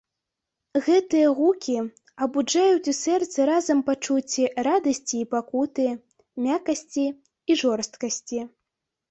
Гэтыя гукі абуджаюць у сэрцы разам пачуцці радасці і пакуты, мяккасці і жорсткасці.